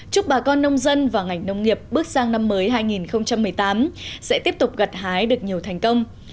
chúc bà con nông dân và ngành nông nghiệp bước sang năm mới hai nghìn một mươi tám sẽ tiếp tục gặt hái được nhiều thành công